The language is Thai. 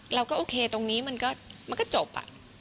เราก็โอเคตรงนี้มันก็จบ